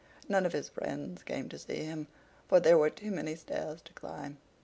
None of his friends came to see him, for there were too many stairs to climb.